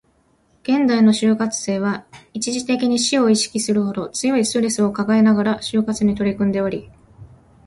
現代の就活生は、一時的に死を意識するほど強いストレスを抱えながら就活に取り組んでおり